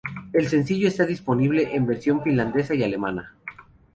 El sencillo está disponible en versión finlandesa y alemana.